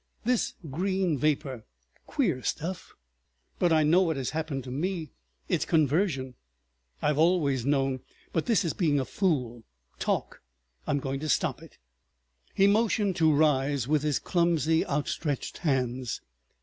... This green vapor—queer stuff. But I know what has happened to me. It's Conversion. I've always known. ... But this is being a fool. Talk! I'm going to stop it." He motioned to rise with his clumsy outstretched hands.